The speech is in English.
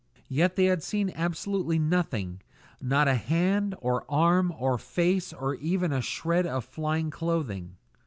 Yet they had seen absolutely nothing not a hand, or arm, or face, or even a shred of flying clothing.